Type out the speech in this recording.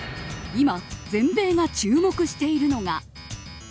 今、全米が注目しているのが。